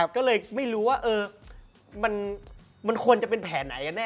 ก็เลยไม่รู้ว่ามันควรจะเป็นแผนไหนกันแน